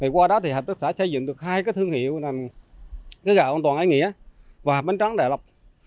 qua đó hợp tác xã xây dựng được hai thương hiệu gạo an toàn ái nghĩa và bánh trắng đại lộc